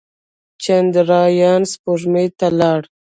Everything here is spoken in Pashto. چندریان سپوږمۍ ته لاړ.